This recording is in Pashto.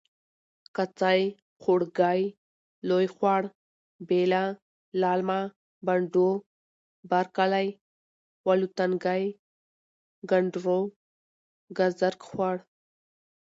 کڅۍ.خوړګۍ.لوی خوړ.بیله.للمه.بانډو.برکلی. ولو تنګی.کنډرو.ګازرک خوړ.